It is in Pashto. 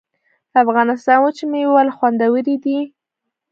د افغانستان وچې میوې ولې خوندورې دي؟